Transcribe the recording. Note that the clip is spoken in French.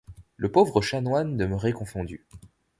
Le pauvre chanoine demeurait confondu.